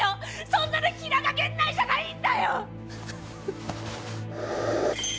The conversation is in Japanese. そんなの平賀源内じゃないんだよっ！